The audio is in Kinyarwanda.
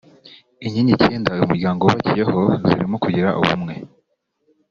Inkingi icyenda uyu muryango wubakiyeho zirimo kugira ubumwe